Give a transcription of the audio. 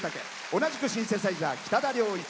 同じくシンセサイザー、北田了一。